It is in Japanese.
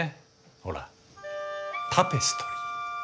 ほらタペストリー。